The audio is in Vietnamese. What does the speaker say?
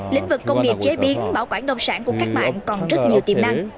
lĩnh vực công nghiệp chế biến bảo quản nông sản của các bạn còn rất nhiều tiềm năng